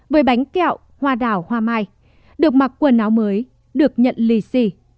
với bánh kẹo hoa đảo hoa mai được mặc quần áo mới được nhận lì xì